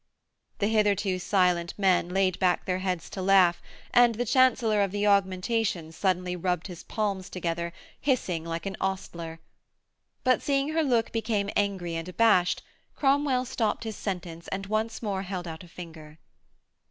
The hitherto silent men laid back their heads to laugh, and the Chancellor of the Augmentations suddenly rubbed his palms together, hissing like an ostler. But, seeing her look became angry and abashed, Cromwell stopped his sentence and once more held out a finger.